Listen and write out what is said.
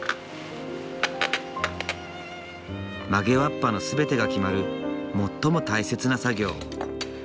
曲げわっぱの全てが決まる最も大切な作業。